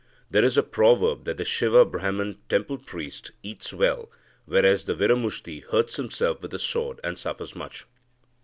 There is a proverb that the Siva Brahman (temple priest) eats well, whereas the Viramushti hurts himself with the sword, and suffers much.